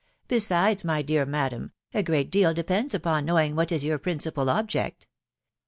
Besides, my dear madam, a great deal depends upon knowing what is your principal object.